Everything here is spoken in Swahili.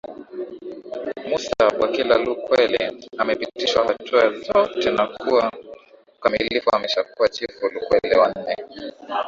Mussa Bwakila Lukwele amepitishwa hatua zote na kwa ukamilifu ameshakuwa Chifu Lukwele wa nne